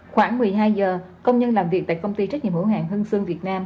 khoảng một mươi hai giờ công nhân làm việc tại công ty trách nhiệm hữu hạng hưng việt nam